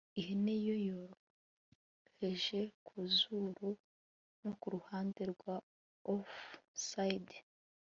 Ihene ye yoroheje ku zuru no kuruhande rwa offside